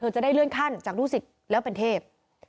จะเลื่อนขั้นจากลูกสิตและเป็นเทพ